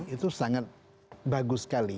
itu sangat bagus sekali